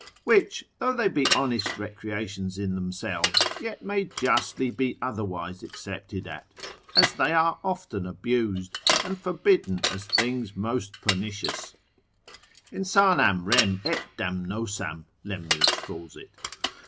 Which though they be honest recreations in themselves, yet may justly be otherwise excepted at, as they are often abused, and forbidden as things most pernicious; insanam rem et damnosam, Lemnius calls it.